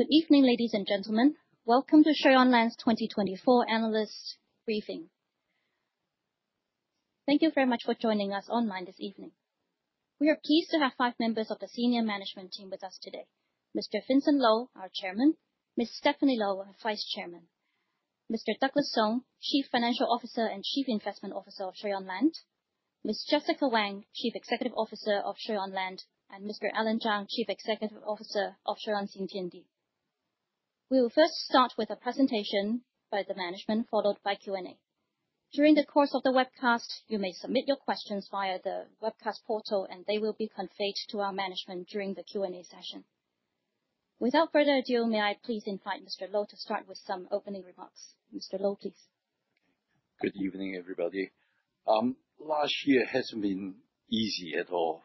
Good evening, ladies and gentlemen. Welcome to Shui On Land's 2024 Analyst Briefing. Thank you very much for joining us online this evening. We are pleased to have five members of the senior management team with us today: Mr. Vincent Lo, our Chairman; Ms. Stephanie Lo, our Vice Chairman; Mr. Douglas Sung, Chief Financial Officer and Chief Investment Officer of Shui On Land; Ms. Jessica Wang, Chief Executive Officer of Shui On Land; and Mr. Allan Zhang, Chief Executive Officer of Shui On Xintiandi. We will first start with a presentation by the management, followed by Q&A. During the course of the webcast, you may submit your questions via the webcast portal, and they will be conveyed to our management during the Q&A session. Without further ado, may I please invite Mr. Lo to start with some opening remarks? Mr. Lo, please. Good evening, everybody. Last year has not been easy at all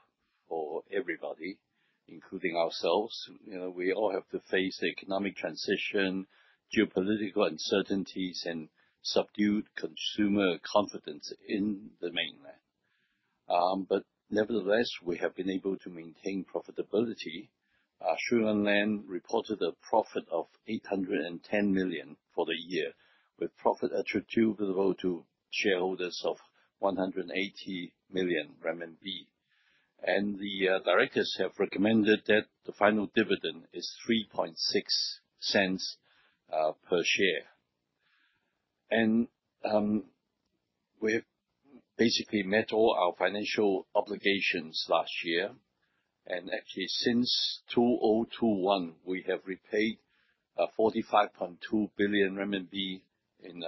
for everybody, including ourselves. We all have to face the economic transition, geopolitical uncertainties, and subdued consumer confidence in the mainland. Nevertheless, we have been able to maintain profitability. Shui On Land reported a profit of 810 million for the year, with profit attributable to shareholders of 180 million RMB. The directors have recommended that the final dividend is 0.036 per share. We have basically met all our financial obligations last year. Actually, since 2021, we have repaid 45.2 billion RMB in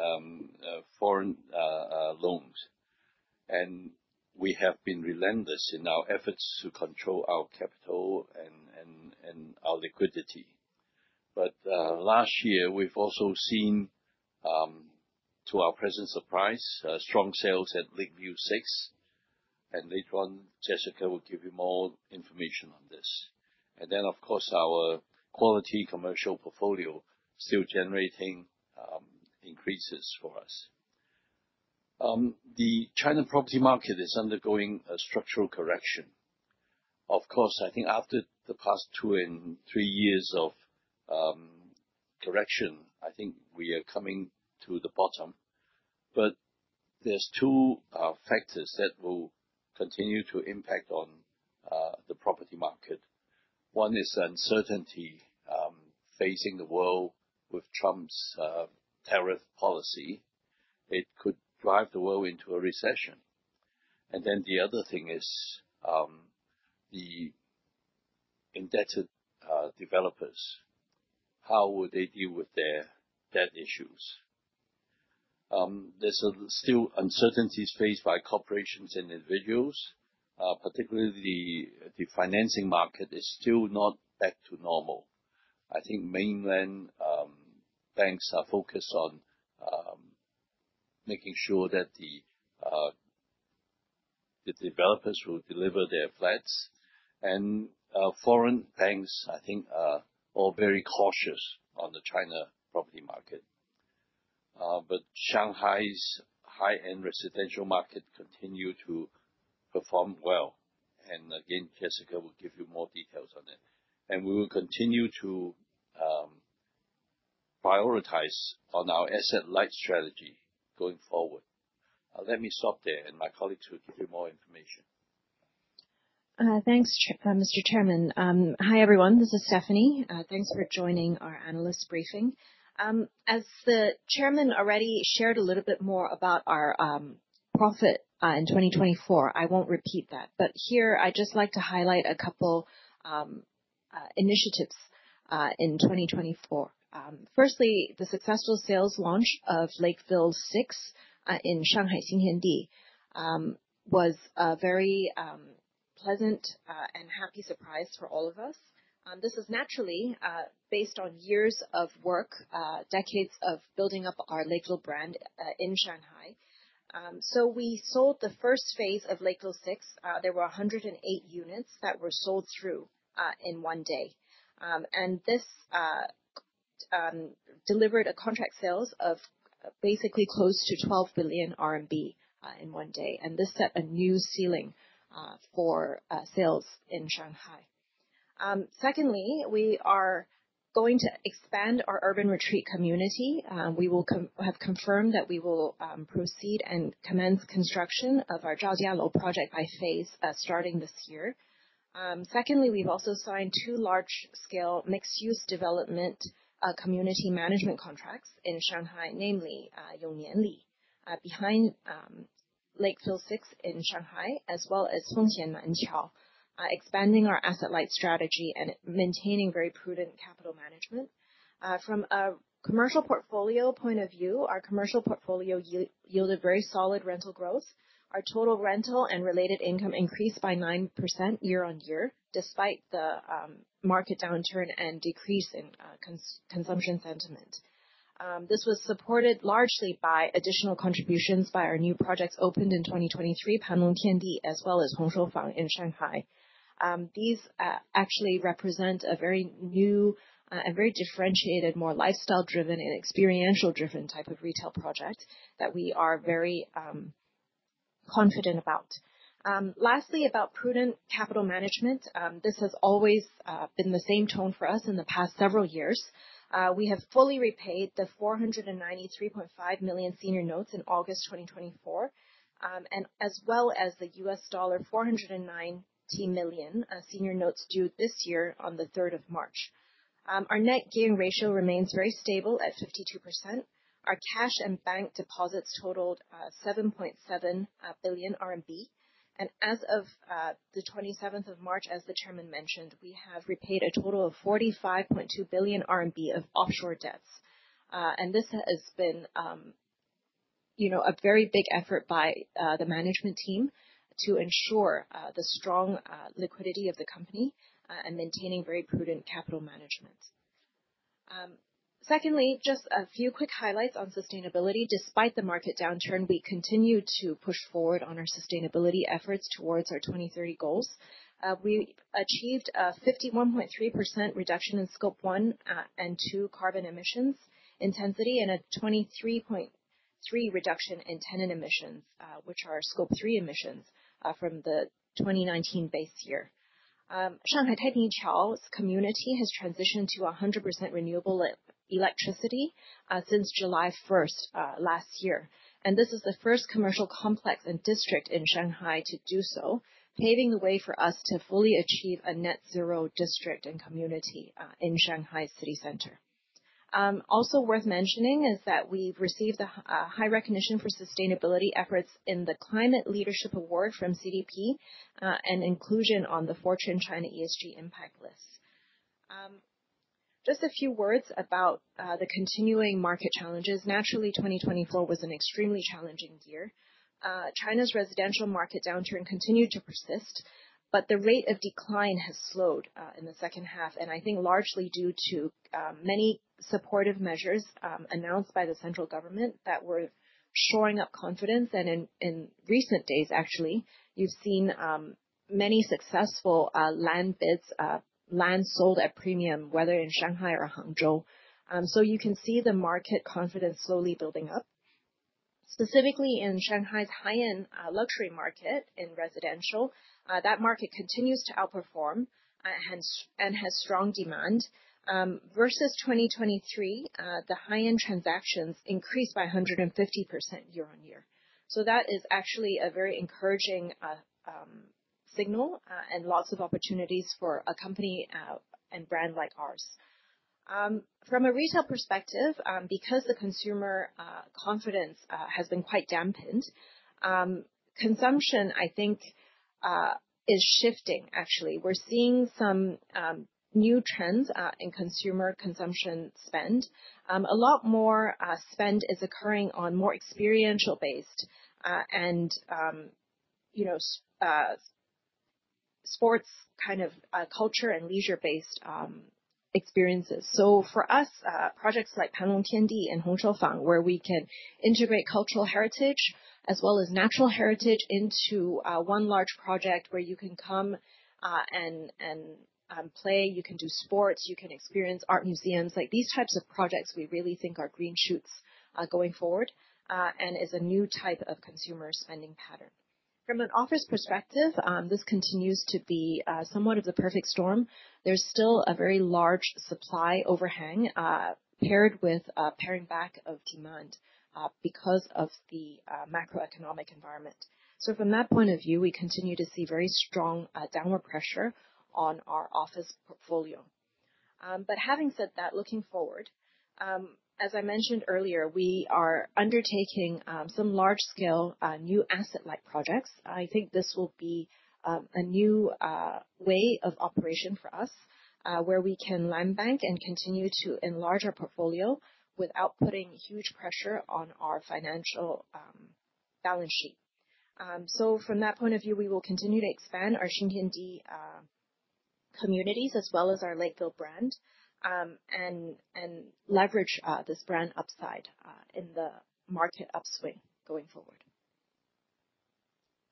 foreign loans. We have been relentless in our efforts to control our capital and our liquidity. Last year, we have also seen, to our present surprise, strong sales at Lakeville VI. Later on, Jessica will give you more information on this. Our quality commercial portfolio is still generating increases for us. The China property market is undergoing a structural correction. I think after the past two and three years of correction, I think we are coming to the bottom. There are two factors that will continue to impact on the property market. One is the uncertainty facing the world with Trump's tariff policy. It could drive the world into a recession. The other thing is the indebted developers. How will they deal with their debt issues? There are still uncertainties faced by corporations and individuals. Particularly, the financing market is still not back to normal. I think mainland banks are focused on making sure that the developers will deliver their flats. Foreign banks, I think, are all very cautious on the China property market. Shanghai's high-end residential market continues to perform well. Jessica will give you more details on that. We will continue to prioritize on our asset light strategy going forward. Let me stop there, and my colleagues will give you more information. Thanks, Mr. Chairman. Hi, everyone. This is Stephanie. Thanks for joining our analyst briefing. As the Chairman already shared a little bit more about our profit in 2024, I will not repeat that. Here, I would just like to highlight a couple of initiatives in 2024. Firstly, the successful sales launch of Lakeville VI in Shanghai Xintiandi was a very pleasant and happy surprise for all of us. This is naturally based on years of work, decades of building up our Lakeville brand in Shanghai. We sold the first phase of Lakeville VI. There were 108 units that were sold through in one day. This delivered a contract sales of basically close to 12 billion RMB in one day. This set a new ceiling for sales in Shanghai. Secondly, we are going to expand our urban retreat community. We have confirmed that we will proceed and commence construction of our Zhaojialou project by phase starting this year. Secondly, we've also signed two large-scale mixed-use development community management contracts in Shanghai, namely Yongnianli, behind Lakeville VI in Shanghai, as well as Fengxian Nanqiao, expanding our asset-light strategy and maintaining very prudent capital management. From a commercial portfolio point of view, our commercial portfolio yielded very solid rental growth. Our total rental and related income increased by 9% year on year, despite the market downturn and decrease in consumption sentiment. This was supported largely by additional contributions by our new projects opened in 2023, Panlong Tiandi as well as Hongshou Fang in Shanghai. These actually represent a very new and very differentiated, more lifestyle-driven and experiential-driven type of retail project that we are very confident about. Lastly, about prudent capital management, this has always been the same tone for us in the past several years. We have fully repaid the $493.5 million senior notes in August 2024, as well as the $490 million senior notes due this year on the 3rd of March. Our net debt ratio remains very stable at 52%. Our cash and bank deposits totaled 7.7 billion RMB. As of the 27th of March, as the Chairman mentioned, we have repaid a total of 45.2 billion RMB of offshore debts. This has been a very big effort by the management team to ensure the strong liquidity of the company and maintaining very prudent capital management. Secondly, just a few quick highlights on sustainability. Despite the market downturn, we continue to push forward on our sustainability efforts towards our 2030 goals. We achieved a 51.3% reduction in scope one and two carbon emissions intensity and a 23.3% reduction in tenant emissions, which are scope three emissions from the 2019 base year. Shanghai Taipingqiao's community has transitioned to 100% renewable electricity since July 1 last year. This is the first commercial complex and district in Shanghai to do so, paving the way for us to fully achieve a net zero district and community in Shanghai's city center. Also worth mentioning is that we've received high recognition for sustainability efforts in the Climate Leadership Award from CDP and inclusion on the Fortune China ESG Impact List. Just a few words about the continuing market challenges. Naturally, 2024 was an extremely challenging year. China's residential market downturn continued to persist, but the rate of decline has slowed in the second half, and I think largely due to many supportive measures announced by the central government that were shoring up confidence. In recent days, actually, you've seen many successful land bids, land sold at premium, whether in Shanghai or Hangzhou. You can see the market confidence slowly building up. Specifically, in Shanghai's high-end luxury market in residential, that market continues to outperform and has strong demand. Versus 2023, the high-end transactions increased by 150% year on year. That is actually a very encouraging signal and lots of opportunities for a company and brand like ours. From a retail perspective, because the consumer confidence has been quite dampened, consumption, I think, is shifting, actually. We're seeing some new trends in consumer consumption spend. A lot more spend is occurring on more experiential-based and sports kind of culture and leisure-based experiences. For us, projects like Panlong Tiandi and Hongshou Fang, where we can integrate cultural heritage as well as natural heritage into one large project where you can come and play, you can do sports, you can experience art museums, like these types of projects, we really think are green shoots going forward and is a new type of consumer spending pattern. From an office perspective, this continues to be somewhat of the perfect storm. There is still a very large supply overhang paired with a paring back of demand because of the macroeconomic environment. From that point of view, we continue to see very strong downward pressure on our office portfolio. Having said that, looking forward, as I mentioned earlier, we are undertaking some large-scale new asset-light projects. I think this will be a new way of operation for us where we can land bank and continue to enlarge our portfolio without putting huge pressure on our financial balance sheet. From that point of view, we will continue to expand our Xintiandi communities as well as our Lakeville brand and leverage this brand upside in the market upswing going forward.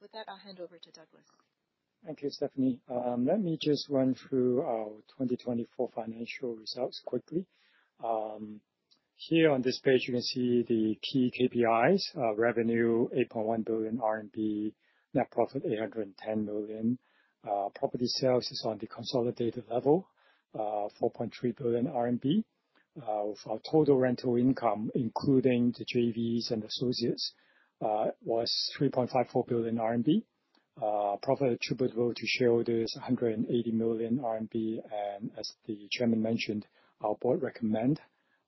With that, I'll hand over to Douglas. Thank you, Stephanie. Let me just run through our 2024 financial results quickly. Here on this page, you can see the key KPIs: revenue 8.1 billion RMB, net profit 810 million. Property sales is on the consolidated level, 4.3 billion RMB. Our total rental income, including the JVs and associates, was 3.54 billion RMB. Profit attributable to shareholders is 180 million RMB. As the Chairman mentioned, our board recommends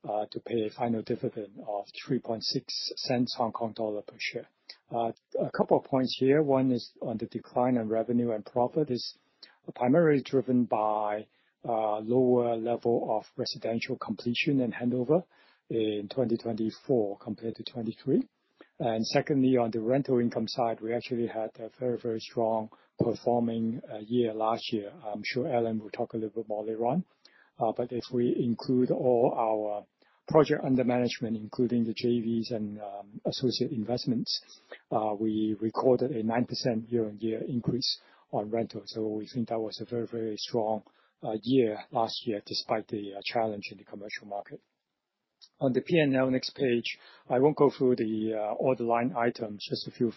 to pay a final dividend of 0.036 per share. A couple of points here. One is on the decline in revenue and profit is primarily driven by a lower level of residential completion and handover in 2024 compared to 2023. Secondly, on the rental income side, we actually had a very, very strong performing year last year. I'm sure Allan will talk a little bit more later on. If we include all our projects under management, including the JVs and associate investments, we recorded a 9% year-on-year increase on rentals. We think that was a very, very strong year last year despite the challenge in the commercial market. On the P&L next page, I won't go through the order line items, just a few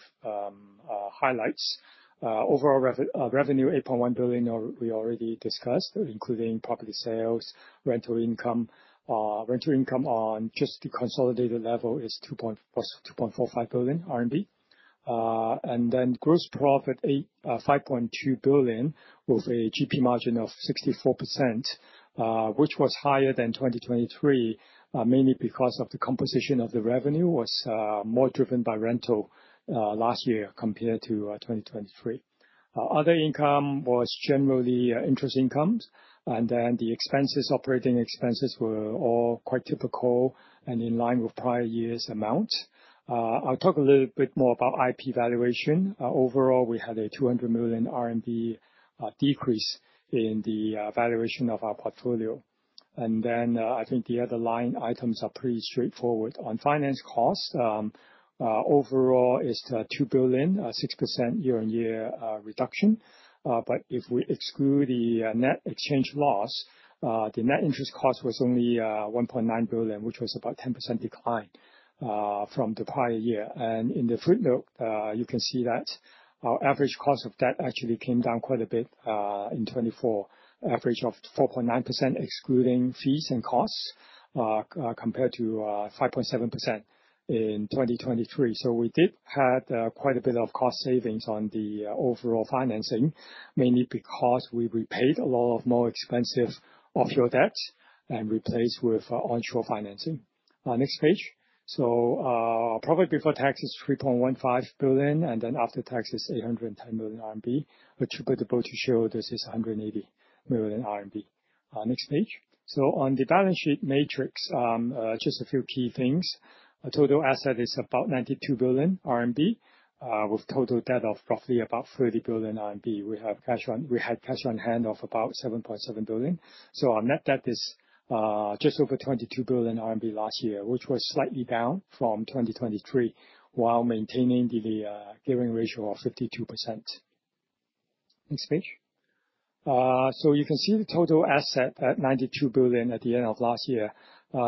highlights. Overall revenue 8.1 billion, we already discussed, including property sales, rental income. Rental income on just the consolidated level was 2.45 billion RMB. Gross profit 5.2 billion with a GP margin of 64%, which was higher than 2023, mainly because the composition of the revenue was more driven by rental last year compared to 2023. Other income was generally interest income. The expenses, operating expenses were all quite typical and in line with prior year's amounts. I'll talk a little bit more about IP valuation. Overall, we had a 200 million RMB decrease in the valuation of our portfolio. I think the other line items are pretty straightforward. On finance costs, overall is 2 billion, 6% year-on-year reduction. If we exclude the net exchange loss, the net interest cost was only 1.9 billion, which was about a 10% decline from the prior year. In the footnote, you can see that our average cost of debt actually came down quite a bit in 2024, average of 4.9% excluding fees and costs compared to 5.7% in 2023. We did have quite a bit of cost savings on the overall financing, mainly because we repaid a lot of more expensive offshore debt and replaced with onshore financing. Next page. Property before tax is 3.15 billion, and after tax is 810 million RMB. Attributable to shareholders is 180 million RMB. Next page. On the balance sheet matrix, just a few key things. Total asset is about 92 billion RMB with total debt of roughly about 30 billion RMB. We had cash on hand of about 7.7 billion. Our net debt is just over 22 billion RMB last year, which was slightly down from 2023 while maintaining the gearing ratio of 52%. Next page. You can see the total asset at 92 billion at the end of last year.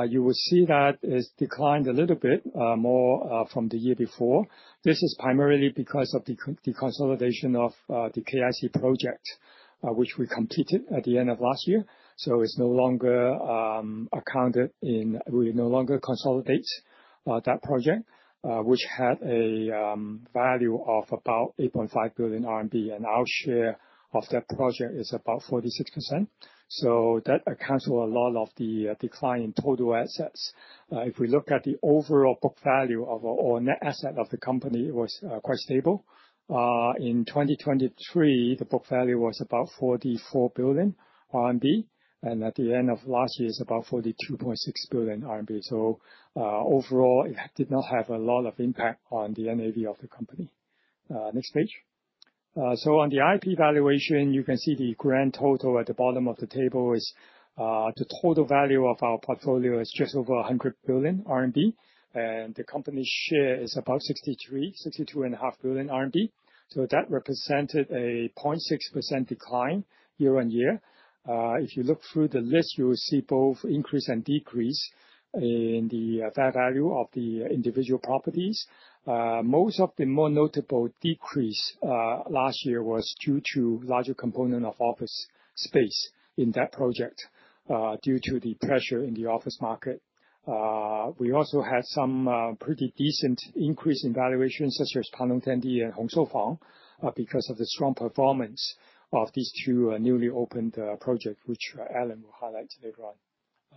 You will see that it has declined a little bit more from the year before. This is primarily because of the consolidation of the KIC Project, which we completed at the end of last year. It is no longer accounted in, we no longer consolidate that project, which had a value of about 8.5 billion RMB. Our share of that project is about 46%. That accounts for a lot of the decline in total assets. If we look at the overall book value of our net asset of the company, it was quite stable. In 2023, the book value was about 44 billion RMB. At the end of last year, it's about 42.6 billion RMB. Overall, it did not have a lot of impact on the NAV of the company. Next page. On the IP valuation, you can see the grand total at the bottom of the table is the total value of our portfolio is just over 100 billion RMB. The company's share is about 63 billion RMB, RMB 62.5 billion. That represented a 0.6% decline year on year. If you look through the list, you will see both increase and decrease in the fair value of the individual properties. Most of the more notable decrease last year was due to a larger component of office space in that project due to the pressure in the office market. We also had some pretty decent increase in valuation, such as Panlong Tiandi and Hongshou Fang, because of the strong performance of these two newly opened projects, which Allen will highlight later on.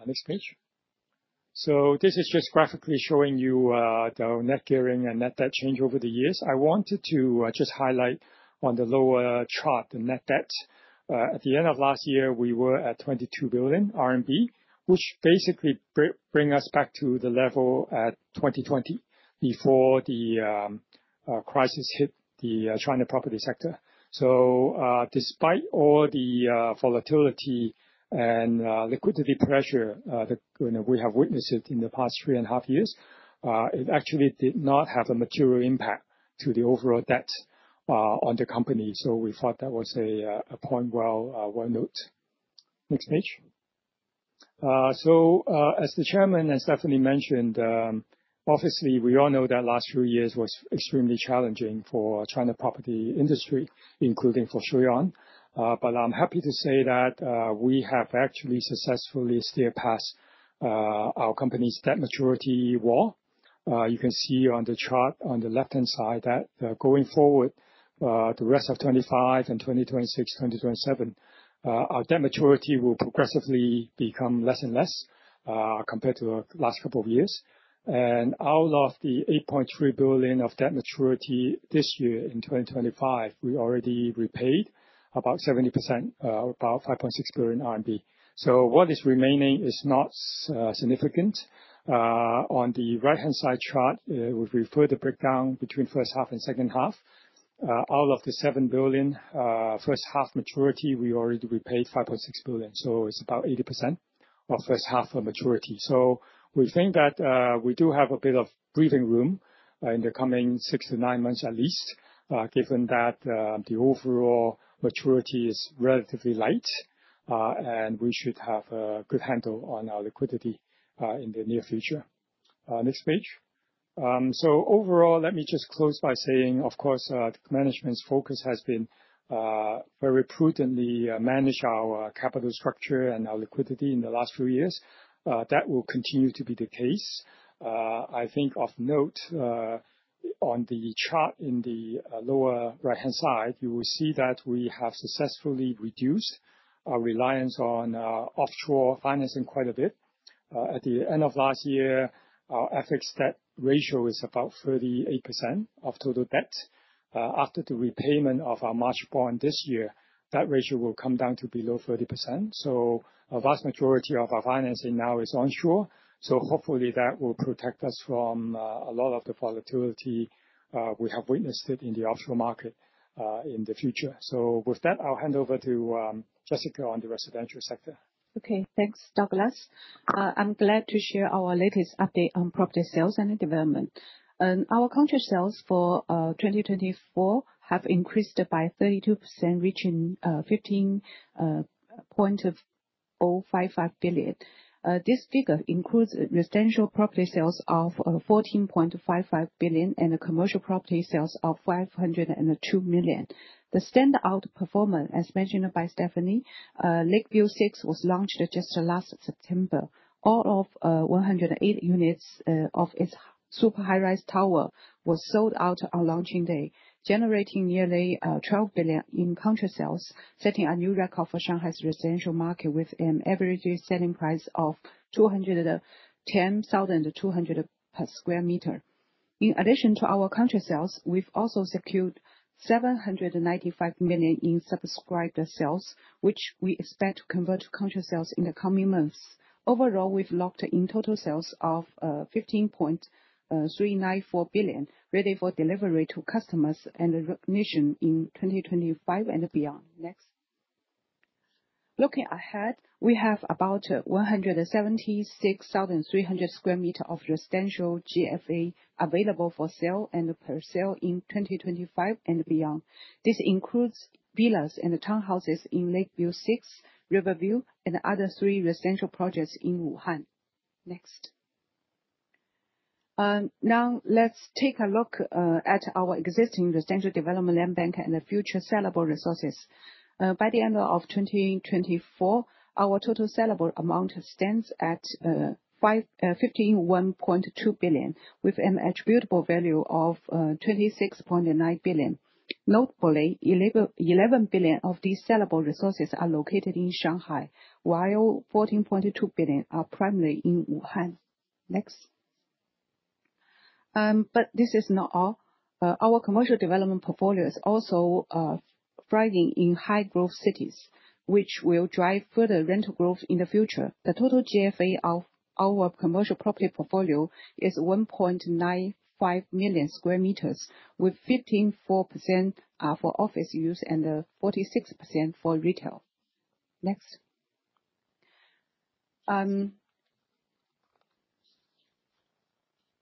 Next page. This is just graphically showing you the net gearing and net debt change over the years. I wanted to just highlight on the lower chart the net debt. At the end of last year, we were at 22 billion RMB, which basically brings us back to the level at 2020 before the crisis hit the China property sector. Despite all the volatility and liquidity pressure we have witnessed in the past three and a half years, it actually did not have a material impact to the overall debt on the company. We thought that was a point well note. Next page. As the Chairman and Stephanie mentioned, obviously, we all know that last few years were extremely challenging for the China property industry, including for Shui On Land. I am happy to say that we have actually successfully steered past our company's debt maturity war. You can see on the chart on the left-hand side that going forward, the rest of 2025 and 2026, 2027, our debt maturity will progressively become less and less compared to the last couple of years. Out of the 8.3 billion of debt maturity this year in 2025, we already repaid about 70%, about 5.6 billion RMB. What is remaining is not significant. On the right-hand side chart, we refer to the breakdown between first half and second half. Out of the 7 billion first half maturity, we already repaid 5.6 billion. It is about 80% of first half of maturity. We think that we do have a bit of breathing room in the coming six to nine months at least, given that the overall maturity is relatively light and we should have a good handle on our liquidity in the near future. Next page. Overall, let me just close by saying, of course, management's focus has been very prudently managing our capital structure and our liquidity in the last few years. That will continue to be the case. I think of note, on the chart in the lower right-hand side, you will see that we have successfully reduced our reliance on offshore financing quite a bit. At the end of last year, our FX debt ratio is about 38% of total debt. After the repayment of our March bond this year, that ratio will come down to below 30%. A vast majority of our financing now is onshore. Hopefully that will protect us from a lot of the volatility we have witnessed in the offshore market in the future. With that, I'll hand over to Jessica on the residential sector. Okay, thanks, Douglas. I'm glad to share our latest update on property sales and development. Our counter sales for 2024 have increased by 32%, reaching 15.055 billion. This figure includes residential property sales of 14.55 billion and commercial property sales of 502 million. The standout performer, as mentioned by Stephanie, Lakeville VI was launched just last September. All of 108 units of its super high-rise tower were sold out on launching day, generating nearly 12 billion in counter sales, setting a new record for Shanghai's residential market with an average selling price of 210,200 per square meter. In addition to our counter sales, we've also secured 795 million in subscribed sales, which we expect to convert to counter sales in the coming months. Overall, we've locked in total sales of 15.394 billion, ready for delivery to customers and recognition in 2025 and beyond. Next. Looking ahead, we have about 176,300 square meters of residential GFA available for sale and pre-sale in 2025 and beyond. This includes villas and townhouses in Lakeville VI, Riverview, and other three residential projects in Wuhan. Next. Now, let's take a look at our existing residential development land bank and the future sellable resources. By the end of 2024, our total sellable amount stands at 15.2 billion, with an attributable value of 26.9 billion. Notably, 11 billion of these sellable resources are located in Shanghai, while 14.2 billion are primarily in Wuhan. Next. This is not all. Our commercial development portfolio is also thriving in high-growth cities, which will drive further rental growth in the future. The total GFA of our commercial property portfolio is 1.95 million square meters, with 15.4% for office use and 46% for retail. Next.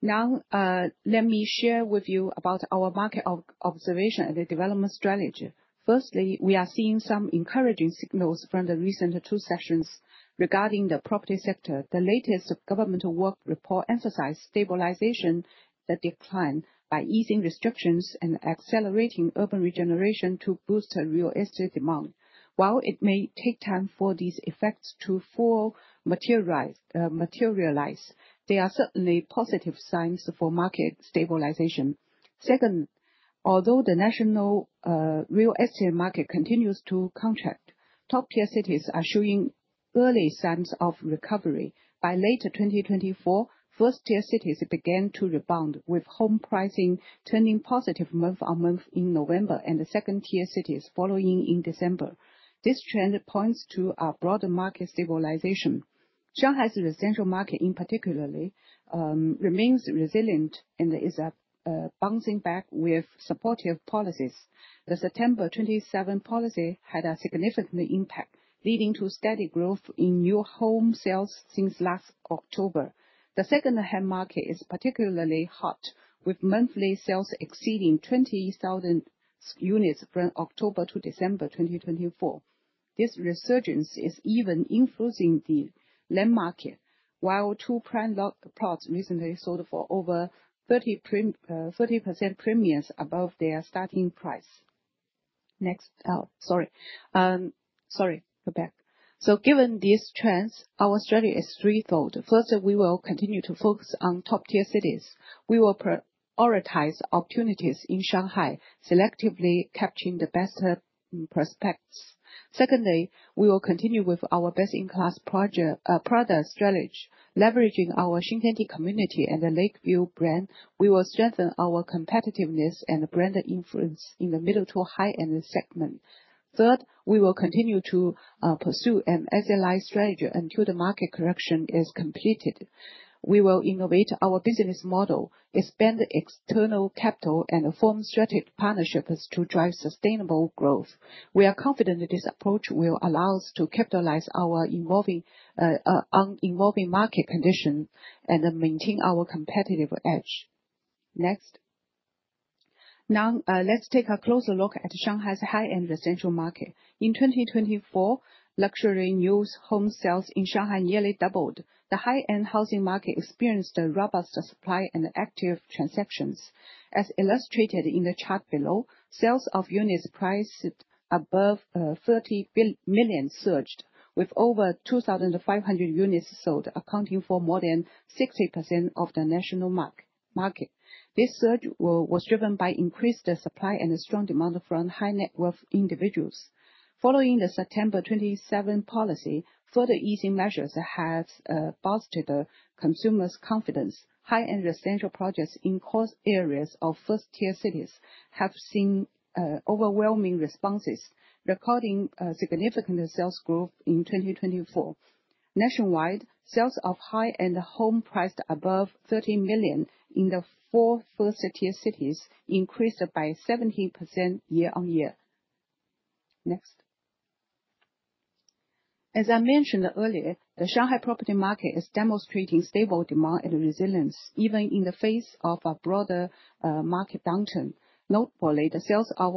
Now, let me share with you about our market observation and the development strategy. Firstly, we are seeing some encouraging signals from the recent two sessions regarding the property sector. The latest government work report emphasized stabilization that declined by easing restrictions and accelerating urban regeneration to boost real estate demand. While it may take time for these effects to fully materialize, they are certainly positive signs for market stabilization. Second, although the national real estate market continues to contract, top-tier cities are showing early signs of recovery. By late 2024, first-tier cities began to rebound, with home pricing turning positive month on month in November and the second-tier cities following in December. This trend points to a broader market stabilization. Shanghai's residential market, in particular, remains resilient and is bouncing back with supportive policies. The September 27 policy had a significant impact, leading to steady growth in new home sales since last October. The second-hand market is particularly hot, with monthly sales exceeding 20,000 units from October to December 2024. This resurgence is even influencing the land market, while two prime lot plots recently sold for over 30% premiums above their starting price. Next. Sorry. Go back. Given these trends, our strategy is three-fold. First, we will continue to focus on top-tier cities. We will prioritize opportunities in Shanghai, selectively capturing the best prospects. Secondly, we will continue with our best-in-class product strategy. Leveraging our Xintiandi community and the Lakeville brand, we will strengthen our competitiveness and brand influence in the middle to high-end segment. Third, we will continue to pursue an asset-light strategy until the market correction is completed. We will innovate our business model, expand external capital, and form strategic partnerships to drive sustainable growth. We are confident this approach will allow us to capitalize on evolving market conditions and maintain our competitive edge. Next. Now, let's take a closer look at Shanghai's high-end residential market. In 2024, luxury new home sales in Shanghai nearly doubled. The high-end housing market experienced a robust supply and active transactions. As illustrated in the chart below, sales of units priced above 30 million surged, with over 2,500 units sold, accounting for more than 60% of the national market. This surge was driven by increased supply and a strong demand from high-net-worth individuals. Following the September 27 policy, further easing measures have boosted consumers' confidence. High-end residential projects in core areas of first-tier cities have seen overwhelming responses, recording significant sales growth in 2024. Nationwide, sales of high-end homes priced above 30 million in the four first-tier cities increased by 70% year on year. Next. As I mentioned earlier, the Shanghai property market is demonstrating stable demand and resilience, even in the face of a broader market downturn. Notably, the sales of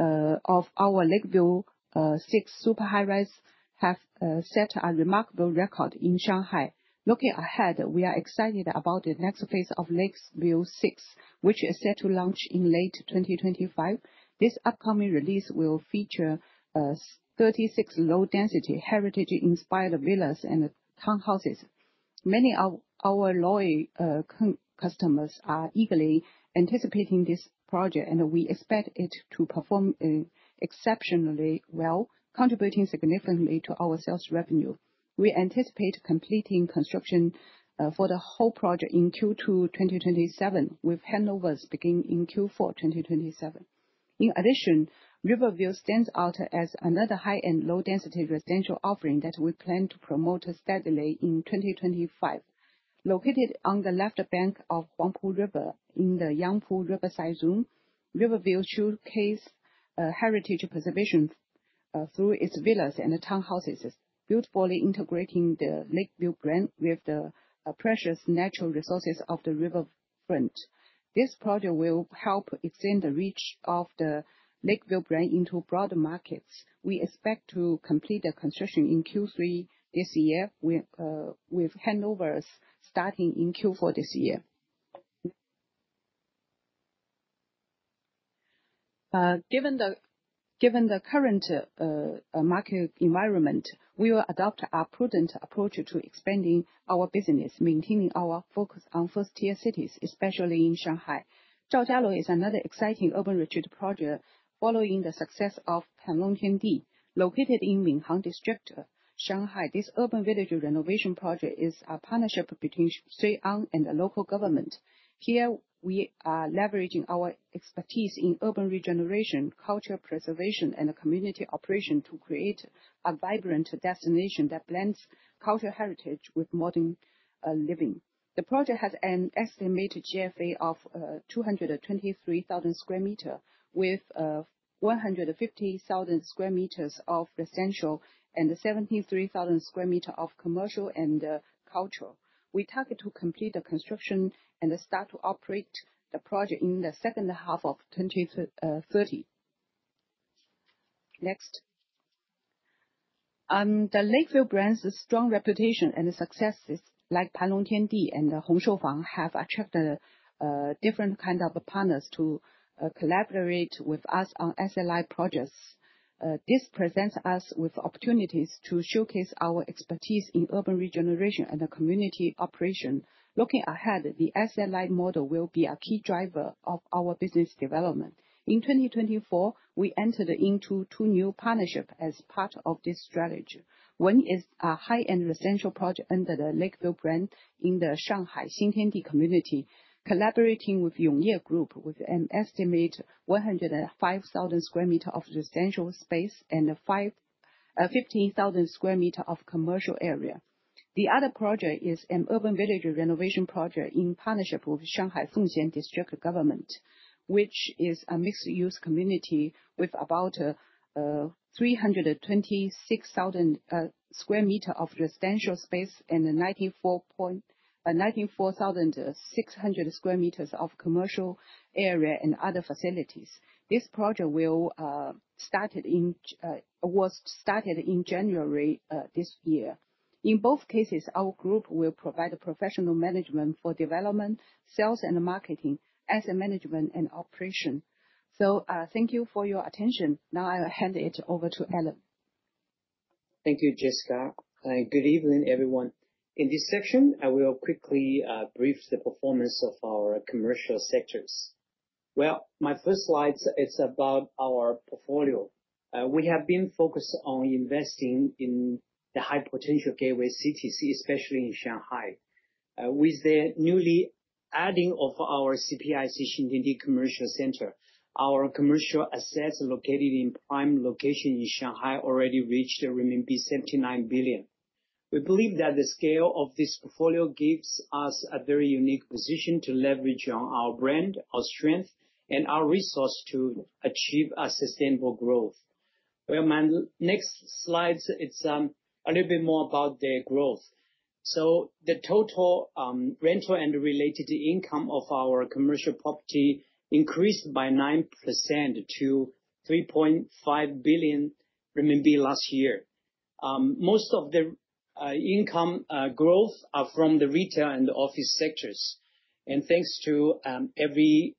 our Lakeville VI super high-rise have set a remarkable record in Shanghai. Looking ahead, we are excited about the next phase of Lakeville VI, which is set to launch in late 2025. This upcoming release will feature 36 low-density heritage-inspired villas and townhouses. Many of our loyal customers are eagerly anticipating this project, and we expect it to perform exceptionally well, contributing significantly to our sales revenue. We anticipate completing construction for the whole project in Q2 2027, with handovers beginning in Q4 2027. In addition, Riverview stands out as another high-end low-density residential offering that we plan to promote steadily in 2025. Located on the left bank of Huangpu River in the Yangpu Riverside Zone, Riverview showcases heritage preservation through its villas and townhouses, beautifully integrating the Lakeville brand with the precious natural resources of the riverfront. This project will help extend the reach of the Lakeville brand into broader markets. We expect to complete the construction in Q3 this year, with handovers starting in Q4 this year. Given the current market environment, we will adopt a prudent approach to expanding our business, maintaining our focus on first-tier cities, especially in Shanghai. Zhaojialou is another exciting urban retreat project following the success of Panlong Tiandi, located in Minhang District, Shanghai. This urban village renovation project is a partnership between Shui On Land and the local government. Here, we are leveraging our expertise in urban regeneration, cultural preservation, and community operation to create a vibrant destination that blends cultural heritage with modern living. The project has an estimated GFA of 223,000 square meters, with 150,000 square meters of residential and 73,000 square meters of commercial and cultural. We target to complete the construction and start to operate the project in the second half of 2030. Next. The Lakeville brand's strong reputation and successes, like Panlong Tiandi and Hongshou Fang, have attracted different kinds of partners to collaborate with us on SLI projects. This presents us with opportunities to showcase our expertise in urban regeneration and community operation. Looking ahead, the SLI model will be a key driver of our business development. In 2024, we entered into two new partnerships as part of this strategy. One is a high-end residential project under the Lakeville brand in the Shanghai Xintiandi community, collaborating with Yongye Group with an estimated 105,000 square meters of residential space and 15,000 square meters of commercial area. The other project is an urban village renovation project in partnership with Shanghai Minhang District Government, which is a mixed-use community with about 326,000 square meters of residential space and 94,600 square meters of commercial area and other facilities. This project was started in January this year. In both cases, our group will provide professional management for development, sales, and marketing, asset management, and operation. Thank you for your attention. Now I'll hand it over to Allen. Thank you, Jessica. Good evening, everyone. In this section, I will quickly brief the performance of our commercial sectors. My first slide, it's about our portfolio. We have been focused on investing in the high-potential gateway CTC, especially in Shanghai. With the newly adding of our CPIC Xintiandi Commercial Center, our commercial assets located in prime locations in Shanghai already reached renminbi 79 billion. We believe that the scale of this portfolio gives us a very unique position to leverage on our brand, our strength, and our resources to achieve sustainable growth. My next slide, it's a little bit more about the growth. The total rental and related income of our commercial property increased by 9% to 3.5 billion RMB last year. Most of the income growth is from the retail and office sectors. Thanks to every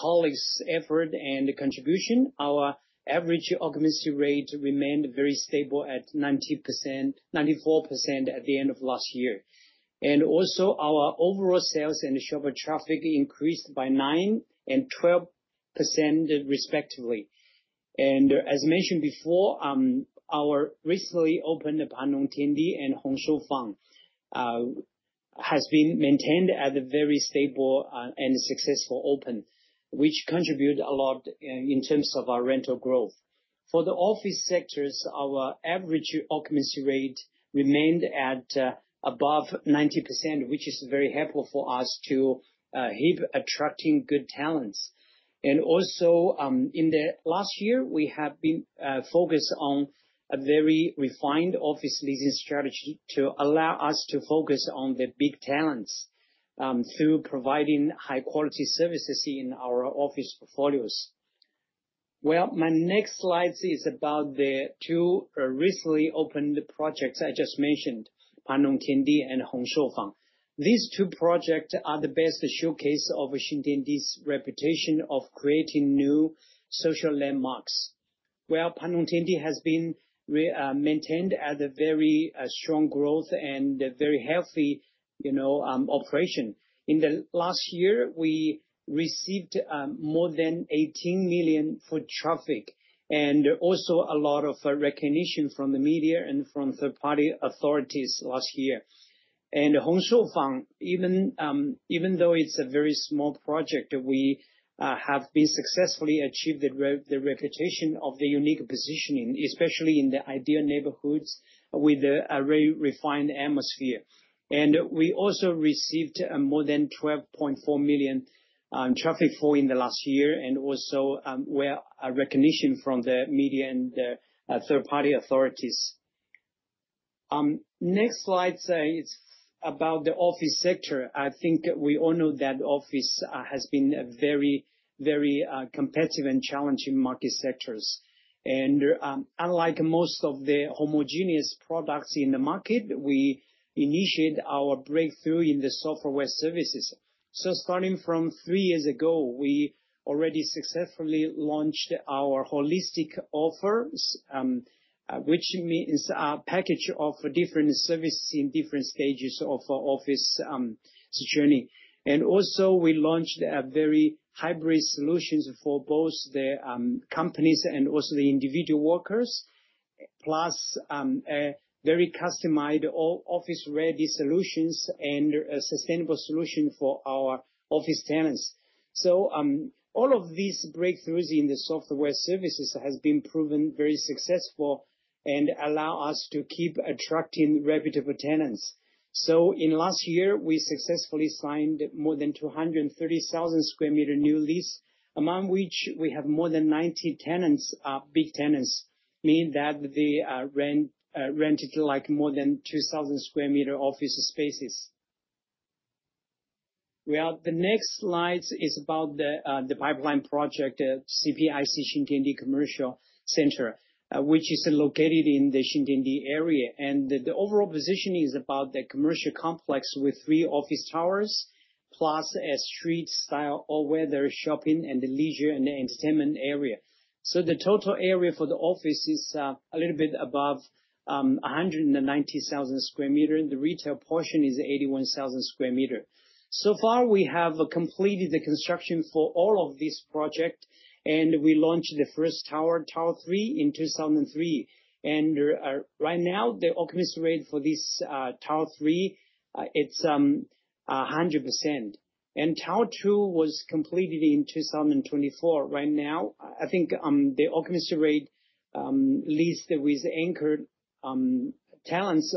colleague's effort and contribution, our average occupancy rate remained very stable at 94% at the end of last year. Also, our overall sales and shopper traffic increased by 9% and 12%, respectively. As mentioned before, our recently opened Panlong Tiandi and Hongshou Fang have been maintained at a very stable and successful open, which contributes a lot in terms of our rental growth. For the office sectors, our average occupancy rate remained above 90%, which is very helpful for us to keep attracting good talents. Also, in the last year, we have been focused on a very refined office leasing strategy to allow us to focus on the big talents through providing high-quality services in our office portfolios. My next slide is about the two recently opened projects I just mentioned, Panlong Tiandi and Hongshou Fang. These two projects are the best showcase of Xintiandi's reputation of creating new social landmarks. Panlong Tiandi has been maintained at a very strong growth and very healthy operation. In the last year, we received more than 18 million for traffic and also a lot of recognition from the media and from third-party authorities last year. Hongshou Fang, even though it is a very small project, we have successfully achieved the reputation of the unique positioning, especially in the ideal neighborhoods with a very refined atmosphere. We also received more than 12.4 million traffic for in the last year and also recognition from the media and third-party authorities. Next slide, it is about the office sector. I think we all know that office has been very, very competitive and challenging market sectors. Unlike most of the homogeneous products in the market, we initiated our breakthrough in the software services. Starting from three years ago, we already successfully launched our holistic offer, which means a package of different services in different stages of our office journey. We launched very hybrid solutions for both the companies and also the individual workers, plus very customized office-ready solutions and sustainable solutions for our office tenants. All of these breakthroughs in the software services have been proven very successful and allow us to keep attracting reputable tenants. In last year, we successfully signed more than 230,000 square meters new lease, among which we have more than 90 tenants, big tenants, meaning that they rented more than 2,000 square meters office spaces. The next slide is about the pipeline project, CPIC Xintiandi Commercial Center, which is located in the Xintiandi area. The overall position is about the commercial complex with three office towers, plus a street-style all-weather shopping and leisure and entertainment area. The total area for the office is a little bit above 190,000 square meters. The retail portion is 81,000 square meters. So far, we have completed the construction for all of this project, and we launched the first tower, Tower 3, in 2003. Right now, the occupancy rate for this Tower 3, it's 100%. Tower 2 was completed in 2024. Right now, I think the occupancy rate leads with anchored tenants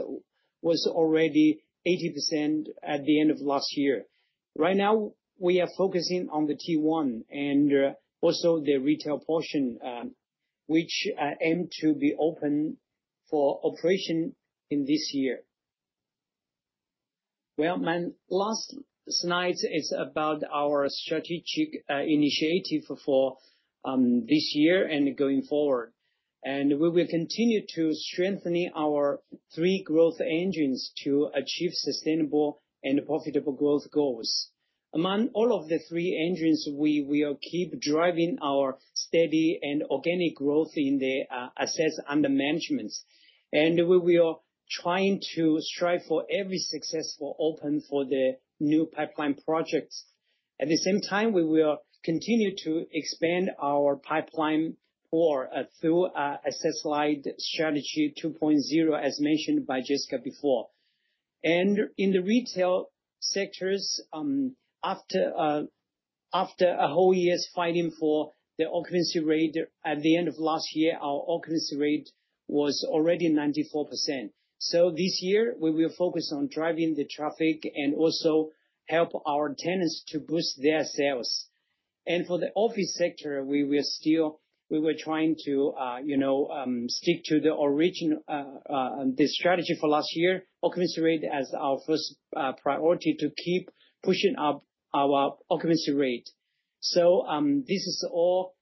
was already 80% at the end of last year. Right now, we are focusing on the T1 and also the retail portion, which aim to be open for operation in this year. My last slide is about our strategic initiative for this year and going forward. We will continue to strengthen our three growth engines to achieve sustainable and profitable growth goals. Among all of the three engines, we will keep driving our steady and organic growth in the assets under management. We will try to strive for every successful open for the new pipeline projects. At the same time, we will continue to expand our pipeline through asset-light strategy 2.0, as mentioned by Jessica before. In the retail sectors, after a whole year's fighting for the occupancy rate, at the end of last year, our occupancy rate was already 94%. This year, we will focus on driving the traffic and also help our tenants to boost their sales. For the office sector, we will try to stick to the strategy for last year, occupancy rate as our first priority to keep pushing up our occupancy rate. This is all.